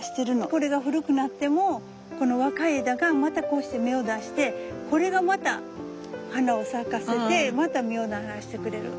これが古くなってもこの若い枝がまたこうして芽を出してこれがまた花を咲かせてまた実をならしてくれる。